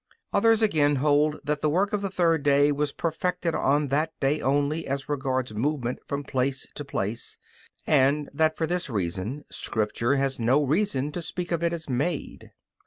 Others, again, hold that the work of the third day was perfected on that day only as regards movement from place to place, and that for this reason Scripture had no reason to speak of it as made.